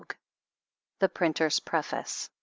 12. THE PRINTER'S PREFACE.